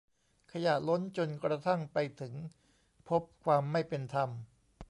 ขยะล้น จนกระทั่งไปถึง พบความไม่เป็นธรรม